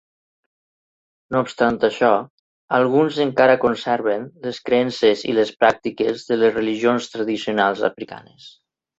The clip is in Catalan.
No obstant això, alguns encara conserven les creences i les pràctiques de les religions tradicionals africanes.